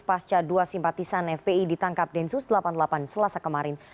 pasca dua simpatisan fpi ditangkap densus delapan puluh delapan selasa kemarin